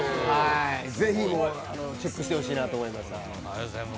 ぜひチェックしてほしいなと思います。